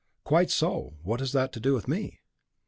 "Quite so. What has that to do with me?"